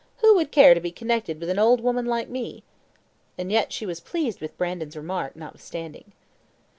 "Who would care to be connected with an old woman like me?" and yet she was pleased with Brandon's remark, notwithstanding.